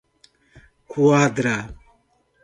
Quadra